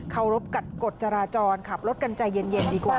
รบกับกฎจราจรขับรถกันใจเย็นดีกว่า